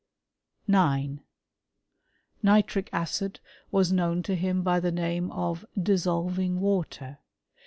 9. Nitric acid was known to him by the name of di$$olving water.